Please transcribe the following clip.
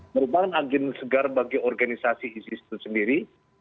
merupakan angin segar bagi organisasi isis itu sendiri